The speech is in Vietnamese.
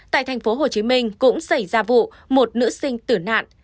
tại tp hcm cũng xảy ra vụ một nữ sinh tử nạn